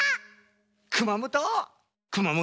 熊本？